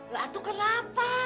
lah itu kenapa